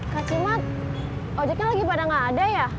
kak cemat ojeknya lagi pada gak ada ya